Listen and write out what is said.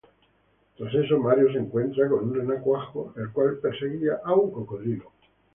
Tras esto, Mario se encuentra con un "renacuajo" el cual perseguía a un cocodrilo.